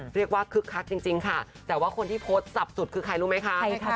คึกคักจริงค่ะแต่ว่าคนที่โพสต์สับสุดคือใครรู้ไหมคะ